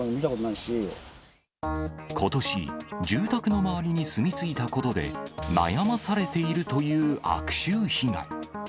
ことし、住宅の周りに住み着いたことで、悩まされているという悪臭被害。